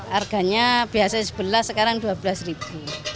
harganya biasanya rp sebelas sekarang rp dua belas